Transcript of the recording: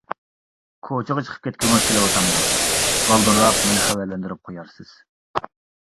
— كوچىغا چىقىپ كەتكۈڭىز كېلىۋاتامدۇ، بالدۇرراق مېنى خەۋەرلەندۈرۈپ قويارسىز.